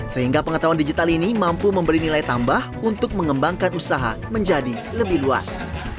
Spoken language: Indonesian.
sehingga pengetahuan digital ini mampu memberi nilai tambah untuk mengembangkan usaha menjadi lebih luas